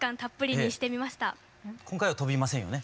今回は飛びませんよね？